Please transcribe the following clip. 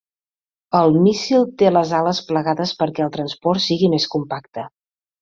El míssil té les ales plegades perquè el transport sigui més compacte.